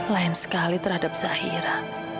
lain sekali terhadap zahira